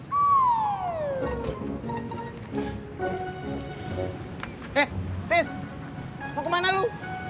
eh tis mau ke mana lu